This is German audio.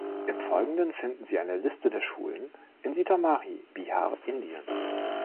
Im Folgenden finden Sie eine Liste der Schulen in Sitamarhi, Bihar, Indien.